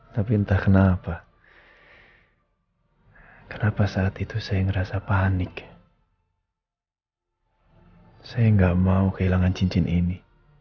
tapi entah kenapa kenapa saat itu saya ngerasa panik saya gak mau kehilangan cincin ini